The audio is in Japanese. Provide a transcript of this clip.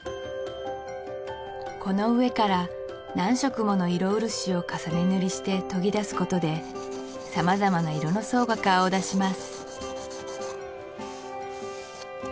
この上から何色もの色漆を重ね塗りして研ぎ出すことで様々な色の層が顔を出します